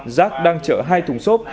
giác đang chở hai thùng sốt